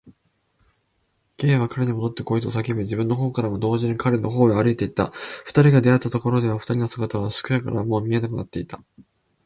Ｋ は彼にもどってこいと叫び、自分のほうからも同時に彼のほうへ歩いていった。二人が出会ったところでは、二人の姿は宿屋からはもう見えなくなっていた。